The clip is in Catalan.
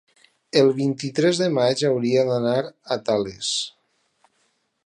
El vint-i-tres de maig hauria d'anar a Tales.